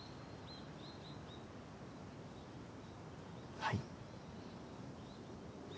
はい。